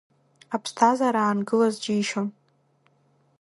Аԥсҭазаара аангылаз џьишьон.